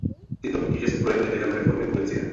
Tyto potíže se projevily během reformy policie.